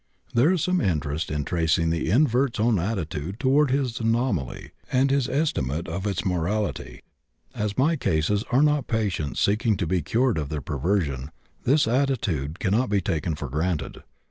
There is some interest in tracing the invert's own attitude toward his anomaly, and his estimate of its morality. As my cases are not patients seeking to be cured of their perversion, this attitude cannot be taken for granted.